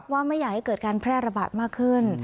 ไม่อยากให้เกิดการแพร่ระบาดมากขึ้น